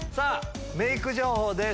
メイク情報です。